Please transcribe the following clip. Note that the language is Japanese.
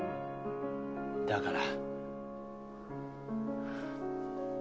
だから。